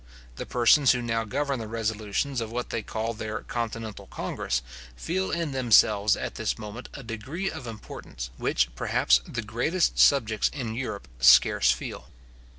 The persons who now govern the resolutions of what they call their continental congress, feel in themselves at this moment a degree of importance which, perhaps, the greatest subjects in Europe scarce feel.